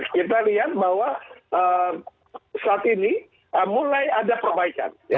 kita lihat bahwa saat ini mulai ada perbaikan